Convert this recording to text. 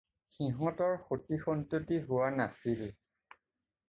সিহঁতৰ সন্তান-সন্ততি হোৱা নাছিল।